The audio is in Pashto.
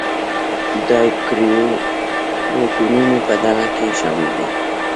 د ایوکریوتونو په ډله کې شامل دي.